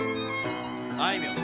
あいみょん。